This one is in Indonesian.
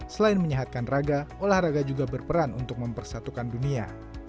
selain menyehatkan raga olahraga juga berperan untuk mempersatukan dunia